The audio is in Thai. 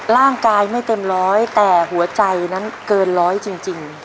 ร่างกายไม่เต็มร้อยแต่หัวใจนั้นเกินร้อยจริง